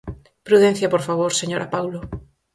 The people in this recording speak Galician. Prudencia, por favor, señora Paulo.